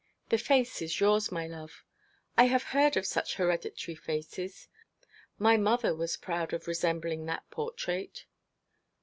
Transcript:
The face is yours, my love. I have heard of such hereditary faces. My mother was proud of resembling that portrait.'